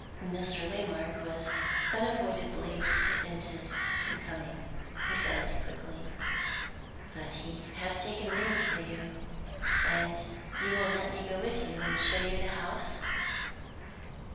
"Mr. Waymark was unavoidably prevented from coming," he said quickly. "But he has taken rooms for you. You will let me go with you, and show you the house?"